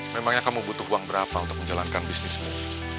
memangnya kamu butuh uang berapa untuk menjalankan bisnis ini